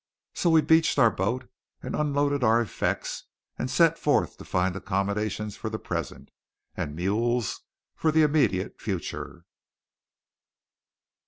So we beached our boat, and unloaded our effects; and set forth to find accommodations for the present, and mules for the immediate future.